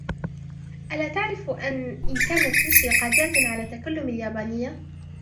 ألا تعرف إن كانت لوسي قادرة على تكلم اليابانية ؟